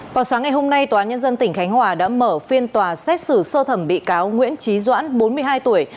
vào sáng ngày hôm nay tòa án nhân dân tỉnh khánh hòa đã mở phiên tòa xét xử sơ thẩm bị cáo nguyễn trí doãn bốn mươi hai tuổi